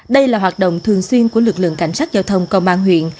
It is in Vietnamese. đây là hoạt động thường xuyên của lực lượng cảnh sát giao thông công an huyện